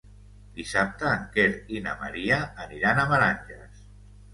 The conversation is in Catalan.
Dissabte en Quer i na Maria aniran a Meranges.